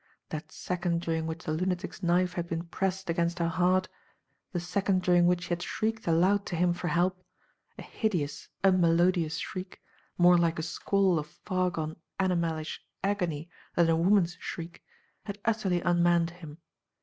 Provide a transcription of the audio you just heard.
That second dur ing which the lunatic's knife had been pressed against her heart, the second during which she had shrieked aloud to him for help, a hideous, unmelodious shriek, more like a squall of far gone 'animalish agony than a woman's shriek, had utterly unmanned him.